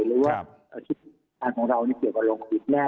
หรือว่าพฤษภาพของเราเกี่ยวกับโรงผิดแน่